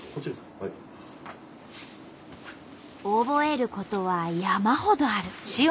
覚えることは山ほどある。